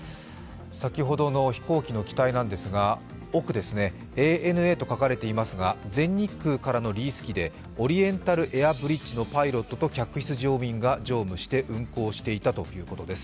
先ほどの飛行機の機体なんですが、奥ですねＡＮＡと書かれていますがオリエンタルエアブリッジのパイロットと客室乗務員が乗務して運航していたということです。